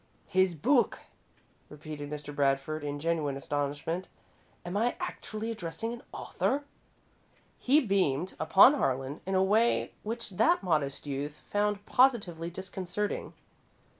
"His book!" repeated Mr. Bradford, in genuine astonishment. "Am I actually addressing an author?" He beamed upon Harlan in a way which that modest youth found positively disconcerting.